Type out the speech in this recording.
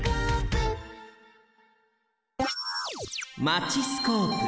マチスコープ。